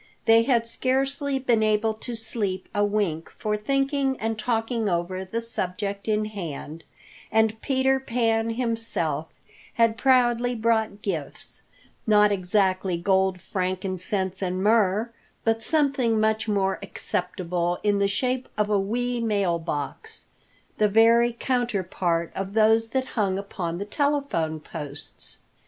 They had scarcely been able to sleep a wink for thinking and talking over the subject in hand, and Peter Pan himself had proudly brought gifts, not exactly gold, frankincense and myrrh, but something much more acceptable in the shape of a wee mail box, the very counterpart of those that hang upon the telephone posts.